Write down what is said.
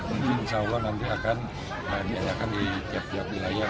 mungkin insya allah nanti akan diadakan di tiap tiap wilayah